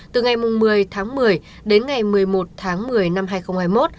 từ ngày một mươi tháng một mươi đến ngày một mươi một tháng một mươi năm hai nghìn hai mươi một